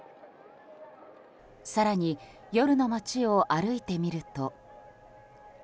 更に夜の街を歩いてみると。